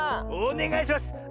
おねがいします。